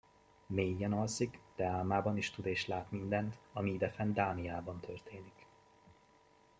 Mélyen alszik, de álmában is tud és lát mindent, ami idefenn Dániában történik.